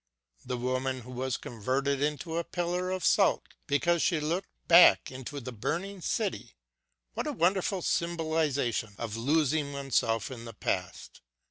The woman who was converted into a pillar of salt because she looked back into the burning city — what a wonderful symbolisation of losing oneself in the past